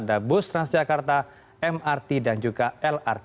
ada bus transjakarta mrt dan juga lrt